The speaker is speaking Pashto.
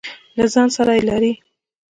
له ځان سره لري.